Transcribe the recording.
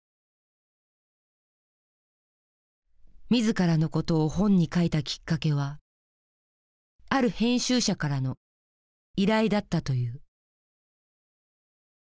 自らのことを本に書いたきっかけはある編集者からの依頼だったという。